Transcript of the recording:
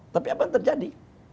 tapi apa yang terjadi